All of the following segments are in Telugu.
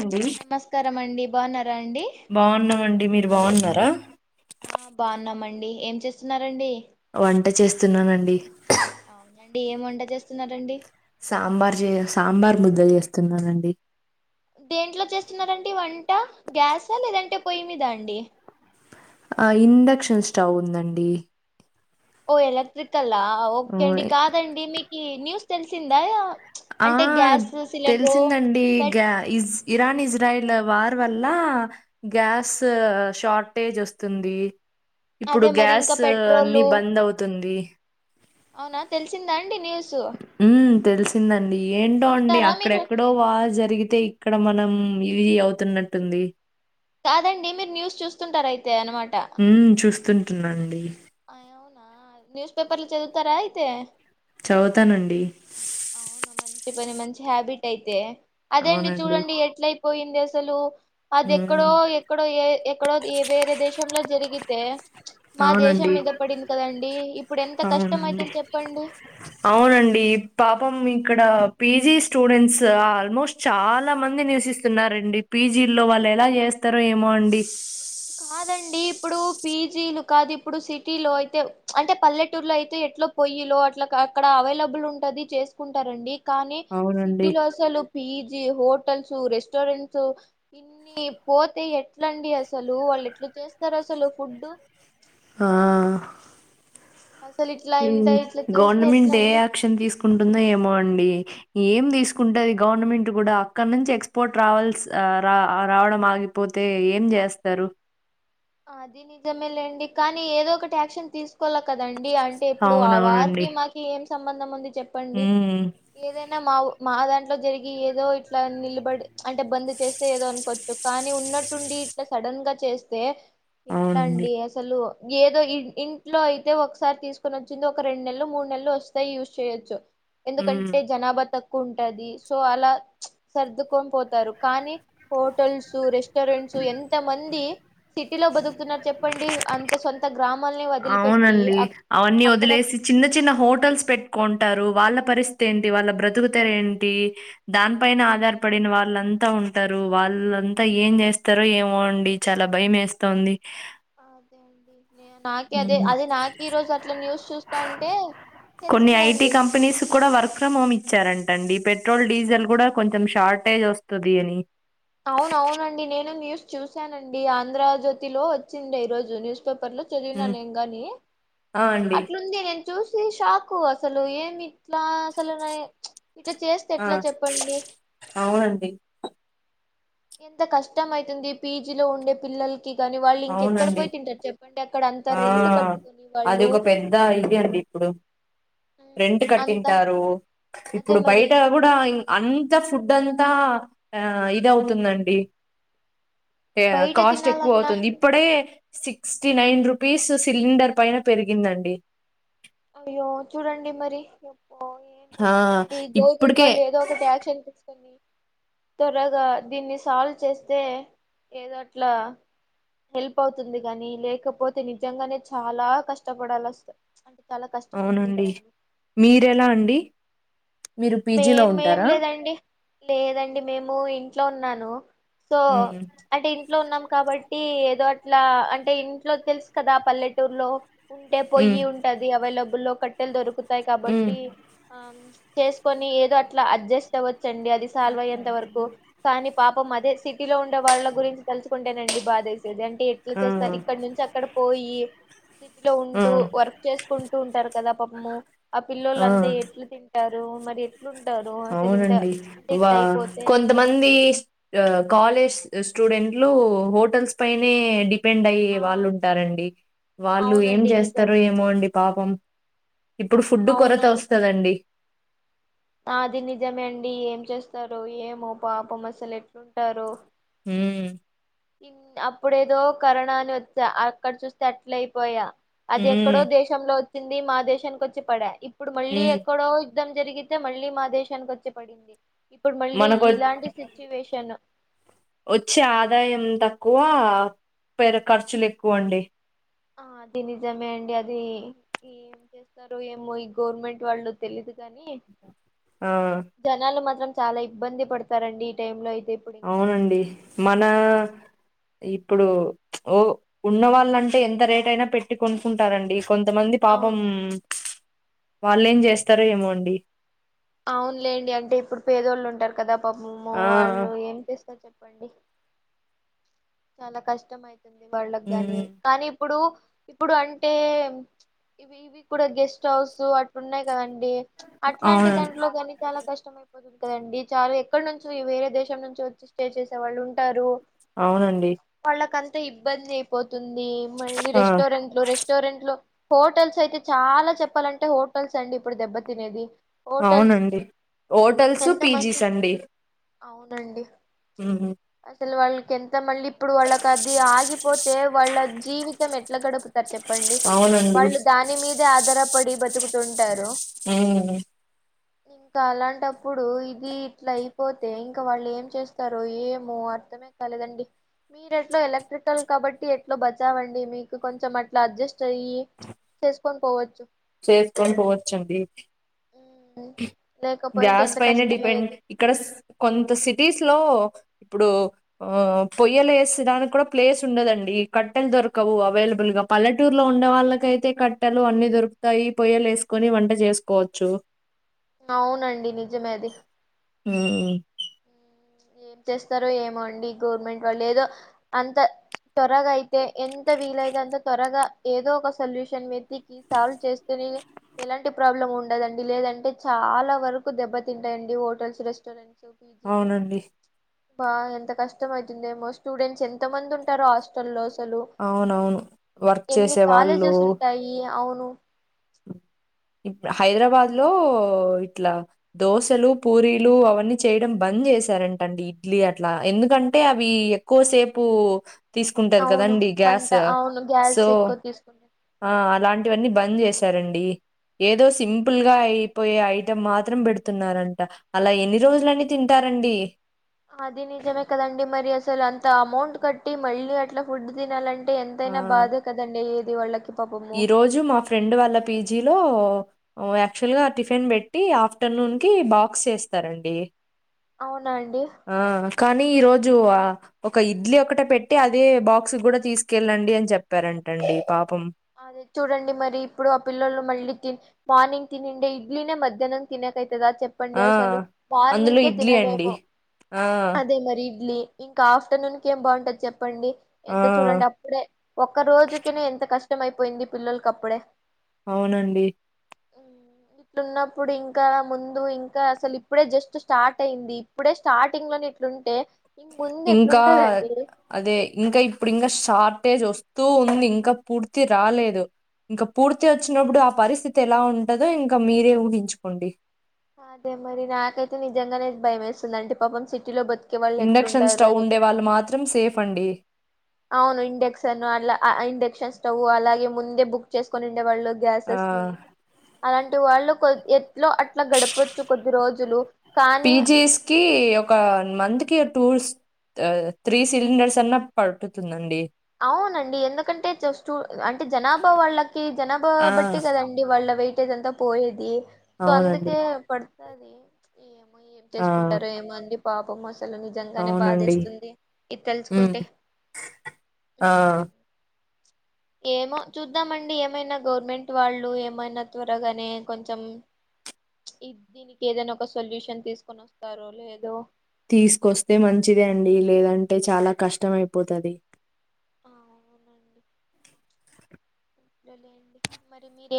ండి నమస్కారం అండి బాగున్నారా అండి బాగున్నామండి మీరు బాగున్నారా ఆ బాగున్నామండి ఏం చేస్తున్నారంండి వంట చేస్తున్నానండి అడి ఏం వండ చేస్తున్నారండి సాంబార్ చే సాంబార్ ముద్ద చేస్తున్నానండి దేంట్లో చేస్తున్నారంటే వంట గ్యాసా లేదంటే పొయ్యి మీదా అండి ఆ ఇండక్షన్ స్టవ్ ఉందండి ఓ ఎలక్ట్రికల్ ఆ ఓకే అండి కాదండి మీకు న్యూస్ తెలిసిందా ఆ అంటే గ్యాస్ సిలిండరు తెలిసిందండి పెట్ గజ ఇరాన్ ఇజ్రాయల్ వార్ వల్ల గ్యాస్ షార్టేజ్ వస్తుంది ఇప్పుడు అదే మరి గ్యాస్ ఇంకా అన్ని పెట్రోలు బంద్ అవుతుంది అవునా తెలిసిందాండి న్యూజ ఉ తెలిసిందండి ఏంటో అండి చూస్తారా మీరు అక్కడెక్కడో వా జరిగితే ఇక్కడ మన మనం ఇవి అవుతున్నట్టుంది కాదండి మీరు న్యూస్ చూస్తుంటారయితే అనమాట పట్టన్నాండి అవునా న్యూస్ పేపర్లు చదువుతారా అయితే చవుతానండి అవునా మంచి పని మంచి హ్యాబిట్ అయితే అదే అండి అవునండి చూడండి ఎట్ల అయిపోయింది అసలు అది ఎక్కడో మ్మ్ ఎక్కడో ఏ ఎక్కడో వేరే దేశంంలో జరిగితే మా దేశం అవునండి మీద పడింది కదండి ఇప్పుడు ఎంత కష్టం అవునండి అయితేని చెప్పండి అవునండి ప [unintelligible] ఇక్కడ పీజీ స్టూడెంట్స్ ఆల్మోస్ట్ చాలా మంది నియవసిస్తున్నారండి పీజీ ఇల్లో వాళ్ళు ఎలా చేస్తార ఏమో అండి కాదండి ఇప్పుడు పీజీలు కాదు ఇప్పుడు సిటీలో అయితే అంటే పల్లెటూరులో అయితే ఎట్ల పొయ్యిలో అట్లా కాదు అక్కడ అవైలబుల్ ఉంటది చేసుకుంటారండి కానీ సిటీ అవునండి లో అలు పజ హో హోటల్స్ రెస్టారెంట్స్ ఇన్ని పోతే ఎట్లండి అ అసలు వాళ్ళు ఎట్లు చేస్తారు అసలు ఫుడ్ ఆ అసలు ఇట్లా ఇంత ఇట్లా చేస్తే ఎట్లా గవర్నమెంట్ ఏ అండి యాక్షన్ తీసుకుంటుందో ఏమో అండి ఏం తీసుకుంటది గవర్నమెంట్ కూడా అక్కడ నుంచి ఎక్స్పోర్ట్ రావల్స్ రా రావడం ఆగిపోతే అయితే ఏం చేస్తారు అది నిజమే లేండి కానీ ఏదో ఒకటి యాక్షన్ తీసుకు కదండి అంటే ఇప్పుడు ఆ వారికి అవునవునండి మాకి ఏం సంబంధం ఉంది చెప్పండి మ్మ్ ఏదైనా మా మా దాంట్లో జరిగి ఏదో ఇట్లా నిలబడి అంటే బంద్ చేస్తే ఏదో అనుకోవచ్చు కానీ ఉ ఉన్నట్టుండి ఇట్లా సడన్ గా చేస్తే ఎట్లా అవునండి అండి అసలు ఏదో ఇంట్లో అయితే ఒకసారి తీసుకొని వచ్చింది ఒక రెండు నెలలు మూడు నెలలు వస్తాయి యూజ్ చేయొచ్చు మ్మ్ ఎందుకంటే జనాభా తక్ సో అలా సర్దుకొని పోతారు కానీ హోటల్స్ రెస్ రెటారెంట్స్ ఎంత మంది సిటీలో బతుకుతున్నారు చెప్పండి అంత సొంత గ్రామాలని వదిలిపెట్టి అవునండి అవన్నీ అక్కడ వదిలేసి చిన్న చిన్న హోటల్స్ పెట్టుకుంటారు వాళ్ళ పరిస్థితి ఏంటి వాళ్ళ బ్రతుకుత ఏంటి దాని పన ఆధారపడిన వాళ్ళ అంతా ఉంటారు వాళ్ళ వాళ్ళంతా ఏం చేస్తారో ఏమోండి చాలా భయం వేస్ంది అదే అండి నాక అదే హ్మ్. అదే నాకు ఈ రోజు అట్లా న్యూస్ చూస్తా అంటే కొన్ని ఐటీ కంపెనీస్ కూడా వర్క్ ఫ్రమ్ హోమ్ ఇచ్చారండి ట్టండి పెట్రోల్ డీజిల్ కూడా కొంచెం షార్టేజ్ వస్తుంది అని అవునవునండి నేను న్యూస్ చూశానండి ఆంధ్రజ్యోతిలో వచ్చిందిఐ రరోజు న్యూస్ పేపర్ లో చదివిన హ్మ్. న ఏం ని ఆ! అండి. అట్లుంది నే చూసి షాకు అసలు ఏమి ఇట్లా అసలు ఇట్లా చేస్తే ఆ! ఎట్లా చెప్పండి అవునండి. ఎంత కష్టం అయితుంది పీజీలో ఉండే పిల్లలు కానీ వాళ్ళు ఇంకెక్కడ అవునండి. పోయి తింటారు అక్కడ అంత [unintelligible] ఆ కట్టుకొని అది వాళ్ళు ఒక పెద్ద ఇది అండి ఇప్పుడు ఉమ్, రెంట్ అంత కట్టింటారు అదే ఇప్పుడు మరి బయట కూడా అంత ఫుడ్ అంత అంతా ఆ ఇది అవుతుందండి బయట కాస్ట్ ఎక్కువ తినాలన్నా అవుతుంది ఇప్పుడే sixty nine rupees cylinder పైన పెరిగిందండి ఓ ఏం ఆ చేస్తారండి గవర్నమెంట్ ఇప్పటికే వాళ్ళు ఏదో ఒకటి యాక్ష అని తీచ్చుకొని త్వరగా దీన్ని సాల్వ్ చేస్తే ఏదో అట్లా హెల్ప్ అవుతుంది కాగాని లేకపోతే నిజంగానే చాలా కష్టపడాాల వస్తాయి అవునండి మీరెలా అండి మీరు పీజీలో మేమేం ఉంటారా లేదండి లేదండి మేము ఇంట్లో ఉన్నాను సో ఉమ్ అంటే ఇంట్లో ఉన్నాం కాబట్టి ఏదో అట్లా అంటే ఇంట్లో తెలుసు కదా పల్లెటూరులో ఉంటే ఉమ్ పోయి ఉంటది అవైలబుల్లో కట్టెలు దొరుకుతాయి ఉమ్ కాబట్టి ఆమ్ ప్చ్ చేసుకొని ఏదో అట్లా అడ్జస్ట్ అవ్వచ్చండి అది సాల్వ్ అయ్యేంత వరకు కానీ పాప్ మ్ అదే సిటీలో ఉండే వాళ్ళ గురించి తెలుసుకుంటేనండి బాదేసి లేదంటే ఎట్లా ఆ చేస్తారు ఇక్కడ నుంచి అక్కడ పోయి సిటీలో ఆ ఉంటూ వర్క్ చేసుకుంటూ ఉంటారు కదా పాపము ఆ పిల్లోలు అంతా ఆ ఎట్ల తిన్ టారు మరి అవునండి అంటే వా ఇట్లా అయిపోతే కొంతమంది స్ ఆ కాలేజ్ స్ స్టూడెంట్లు హోటల్స్ పైనే డి డిపెండ్ అయ్యే ఆ వాళ్ళు ఉంటారండి వాళ్ళు ఏం అవునండి నిజం చేస్తారొ ఏమో అండి పాపం ఇప్పుడు ఫుడ్ కొరత వస్తదండి ఆది నిజమే అండి ఏం చేస్తారు ఏమో పాపమసలు ఎట్లుంటారో ఊ ఇన్ అప్పుడేదో కరోనా అని వచ్చా అక్కడ చూస్తే అట్ల అయిపోయా అది ఎక్కడో ఉమ్ దేశంలో వచ్చింది మా దేశానికి వచ్చి పడ ఇప్పుడు మళ్ళీ ఉమ్ ఎక్కడో యుద్ధం జరిగితే మళ్ళీ మా దేశానికి వచ్చి పడింది ఇప్పుడు మళ్ళీ మనకు వ- ఇలాంటి సిచ్యువేషన్ వచ్చే ఆదాయం తక్కువ పె ఖర్చులు ఎక్కువ అండి ఆ అది నిజమే అండి అది ఈ ఏం చేస్తారో ఏమో ఈ గవర్నమెంట్ వాళ్ళు తెలిదు కాని ఆ జనాలు మాత్రం చాలా ఇబ్బంది పడతారండి ఈ టైమ్ లో అయి అవునండి మన ఇప్పుడు ఓ ఉన్న వాళ్ళంటే ఎంత రేట్ అయినా పెట్టి కొనుకుంటారండి కొంతమంది పాపం అవును వాళ్ళేం చేస్తారు ఏమో అండి అవునులేండి అంటే ఇప్పుడు పేదోళ్ళు ఉంటారు కదా పాపము ఆ వాళ్ళు ఏం చెస్తారు చెప్పండి చాలా కష్టం ఐతుంది వాళ్ళకు గాని హ్మ్. కానీ ఇప్పుడు ఇప్పుడు అంటే ఇవి ఇవి కూడా గెస్ట్ హౌస్ అట్లు ఉన్నాయి కదండి డి అట్లాంటి అవును దాంట్లో కానీ చాలా కష్ట అయిపోతది కదండి చాలా ఎక్కడ నుంచో ఈ వేరే దేశం నుంచి వచ్చి స్టే చేసే వాళ్ళు ఉంటారు అవునండి అంత ఇబ్బంది అయిపోతుంది మళ్ళీ ఆ రెస్టారెంట్ లు రెస్టారెంట్ లో హోటల్స్ అయితే చాలా చెప్పాలంటే హోటల్స్ అండి ఇప్పుడు దెబ్బ తినేది అవునండి హోటల్స్ ఎంత మంచి పీజీస్ అండి అవునండి హ్మ్. అసలు వాళ్ళకి ఎంత త మళ్ళీ ఇప్పుడు వాళ్ళకి అది ఆగిపోతే వాళ్ళ జీవితం ఎట్లా గడుపుతారు చెప్పండి అవునండి వాళ్ళు దాని మీదే ఆధారపడి బతుకుతుంటారు ఊ ని ఇంకా అలాంటప్పుడు ఇది ఇట్లా అయిపోతే ఇంకా వాళ్ళు ఏం చేస్తారు ఏమో అర్థమే కాలేదండి మీరుట్లా ఎలక్ట్రికల్ కాబట్టి ఎట్లా బచావండి మీకు కొంచెం అట్లా అడ్జస్ట్ అయ్యి చేసుకొని పోవచ్చు చేసుకొని పోవచండి ఉమ్, లేకపోయింటే గ్యాస్ ఎంత పైనే కష్టం డిపెండ్ అయ్యేది ఇక్కడ కొంత సిటీస్ లో ఇప్పుడు ఆ పొయ్యలే వేసడానికి కూడా ప్లేస్ ఉండదండి కట్టెలు దొరకవు అవైలబుల్ ఇగ పల్లటూరులో ఉండే వాళ్ళకైతే కట్టెలు అన్ని దొరుకు గయ్యి పొయ్యలు వేసుకొని వంట చేసుకోవచ్చు అవునండి నిజమే అది హ్మ్. ఏం చేస్తారో ఏమో అండి ఈ గవర్నమెంట్ వాళ్ళు ఏదో అంత త్వరగా అయితే ఎంత వీలయితే అంత త్వరగా ఏదో ఒక సొల్యూషన్ వెతికి సాల్వ్ చేస్తే రి ఎలాంటి ప్రాబ్లం ఉండదండి లేదంటే చాలా వరకు దెబ్బతింటాయండి హోటల్స్ రెస్టారెంట్స్ చో పిజిలు అవునండి బా ఎంత కష్టం అవుతుందేమో స్టూడెంట్స్ ఎంత మంది ఉంటారో హాస్టల్లో స్ హలో అవునవును. వర్క్ ఎన్ని చేసేవాళ్ళు కాలేజెస్ ఉంటాయి అవును హైదరాబాద్ లో ఇట్లా దోశలు పూరీలు అవన్నీ చేయడం బంద్ చేసి చేసారంటండి ఇడ్లీ అట్లా ఎందుకంటే అవి ఎక్కువసేపు తీసుకుంటది అవును కదండి మంట గ్యాస్ అవును గ్యాస్ సో ఎక్కువ తీసుకుంట అలా ఇవన్నీ బంద్ చేశారండి ఏదో సింపుల్గా అయిపోయే ఐటం మాత్రం పెడుతున్నారంట అలా ఎన్ని రోజులన్నీ తింటారండి అది నిజమే కదండి మరి అసలు అంత అమౌంట్ కట్టి మళ్ళీ అట్లా ఫుడ్ తినాలంటె అంటే ఎంతైనా బాధ కదండి ఎది వాళ్ళకి పాపము ఈ రోజు మా ఫ్రెండ్ వాళ్ళ పీజీలో యాక్చువల్ గా టిఫిన్ పెట్టి ఆఫ్టర్నూన్ కి బాక్స్ చేస్తారండి అవునా అండి ఆ కానీ ఈరోజు జు ఆ ఒక ఇడ్లీ ఒకట పెట్టి అదే బాక్స్ కూడా తీసుకెళ్ళండి అని చెప్పారంటండి పాపం అదే చూడండి మరి ఇప్పుడు ఆ పిల్లలు మళ్ళీ తి మార్నింగ్ తినండే ఇడ్లీనే మధ్యాహ్నం తినకయి కదా చెప్పండి ఆ అసలు మార్నిం అందులో గ్కే ఇడ్లీ అండి తినలేము ఆ అదే మరి ఇడ్లీ ఇంకా ఆఫ్టర్నోకె ఏం బాగుంటది చెప్ప చెప్పండి ఆ ఎంత చూడండి అప్పుడే ఒక్క రోజుకనే ఎంత కష్టం అయిపోయింది పిల్లలకి అప్పుడే అవునండి అవు ఉనప్పుడు ఇంకా ముందు ఇంకా అసలు ఇప్పుడే జస్ట్ స్టార్ట్ అయింది ఇప్పుడే స్టార్టింగ్ లోనే ఇట్లాంటె ఇంకా అదే ఇంకా ఇప్పుడు ఇంకా షార్ట్ స్టేజ్ వస్తూ ఉంది ఇంకా పూర్తి రాలేదు ఇంకా పూర్తి వచ్చినప్పుడు ఆ పరిస్థితి ఎలా ఉంటదో ఇంకా మీరే ఊహించుకోండి అదే మరి నాకైతే నిజంగానే భయం వేస్తుంది అంటే పాపం సిటీలో బతు ఇండక్షన్ స్టవ్ ఉండే వాళ్ళు మాత్రం సేఫ్ అండి అవును ఇండెక్షన్ అ ఇండక్షన్ స్టవ్ అలాగే ముందే బుక్ చేసుకొని ఉండేవాళ్ళు గ్యాసెస్ ని ఆ అలాంటి వాళ్ళు కొ ఎట్లో అట్లా గడపోచ్చు కొద్ది రోజులు కానీ టూ త్రీ సిలిండర్స్ అన్నా పడుటుతుందండి అవునండి ఎందుకంటే జస్ట్ అంటే జనాభా వాళ్ళకి జనాభా ఆ! బట్టి కదండి వాళ్ళ వెయిట్ దంతా పోయేది సో అవునండి. అందుకే పడుతుది ఈ ఏం ఆ! చేసుకుంటారో ఏమో అండి పాపమ్ మ అసలు నిజంగానే అవునండి. బాధేస్తుంది ఇది హ్మ్. తెలుసుకుంటే ఆ ఏమో చూద్దామండి ఏమైనా గవర్నమెంట్ వాళ్ళు ఏమైనా త్వరగానే కొంచెం దీనికి ఏదైనా ఒక సొల్యూషన్ తీసుకొని ఓస్తారో లేదో తీసుకొస్తే మంచిది అండి లేదంటే చాలా కష్టమైపోతది అవును అండి సరేలేండి మరి మీరు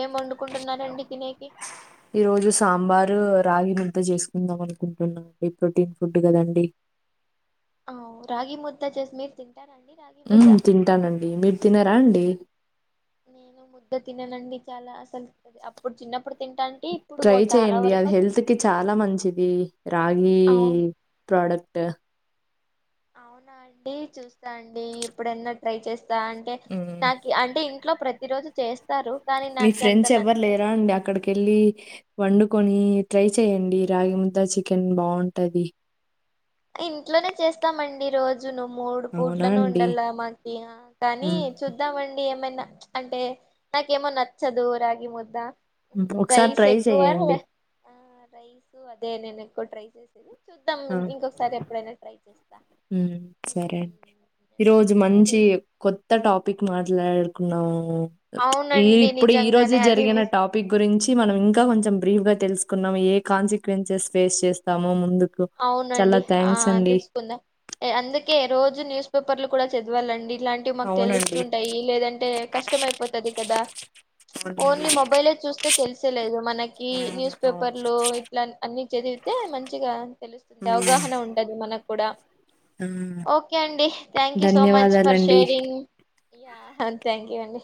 ఈరోజు సాంబారు రాగి ను అంత చేసుకుందాం అనుకుంటున్నాం ఇది ప్రోటీన్ ఫుడ్ కదండి ఆ రగి ముద్దా చేసి మీర్ తి హ్మ్ తింటానండి మీరు తినారా అండి నేను ముద్ద తినేనండి చాలా అసలు అప్పుడు చిన్నప్పుడు తింటాంటే ఇప్పుడు ట్రై చాలా చెయండి వరకు అది అసలు హెల్త్కి చాలా మంచిది రాగి అవును ప్రోడక్ట్ అవునా అండి చూస్తాండి ఎప్పుడైన ట్రై చేస్త అంటే హ్మ్. నాకు అంటే ఇంట్లో ప్రతి రోజు చేస్త మీ ఫ్రెండ్స్ ఎవరు లేరా అండి అక్కడికెళ్ళి వండు కొని ట్రై చేయండి రాగి ముద్ద చికెన్ బాగుంటది ఇంట్లోనే చేస్తామండి రోజ్ రోజు ను మూడు అవునా పూట్లను అండి. ఉండాల మాకి కానీ హ్మ్. చూద్దామండి ఏమైనా అంటే నాకేమో నచ్చదు రాగి ముద్ద హ్మ్. ఒకసారి రైస్ ట్రై చేయండి. ఎక్కువద రైస్ అదే నేను కువ్ ట్రై చేసేది చూద్దాం ఇంకొ సరే ట్రై చెయ్ మ్ సరే అండి ఈరోజు మరి మంచి కొత్త టాపిక్ మాట్లాడుకున్నం ఈ అవునండి ఇప్పుడు ఈ రోజె నిజంగానే అది జరిగిన మీ టాపిక్ గురించి మనం ఇంకా కొంచెం బ్రీఫ్గా తెలుసుకున్నాము ఏ కాన్సిక్వెన్సెస్ ఫేస్ చేస్తామొ ముందు అవునండి ఆ తెలుసుకుందాం అందుకే రోజు న్యూస్ పేపర్లు కూడా చదవాలండి ఇట్లాంటివి మాకు అవునండి. తెలుస్తుంటాయి లేదంటే కష్టం అయిపోతది కదా ఓన్లీ అవునండి. మొబైలే చూస్తే తెలిసేలేదు మనకి అవును. న్యూస్ అవును. పేపర్లు ఇట్లా అన్ని చదివి తే మంచిగా తెలుస్తుంది హ్మ్. అవగాహన ఉంటది మనకు కూడా ఆ! ఓకే అండి thank you so much for ధన్యవాదాలండి. షేరింగ్ యా థ్యాంక్ యూ అండి